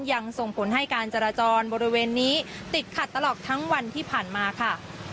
ยังส่งผลให้การจราจรบริเวณนี้ติดขัดตลอดทั้งวันที่ผ่านมาค่ะ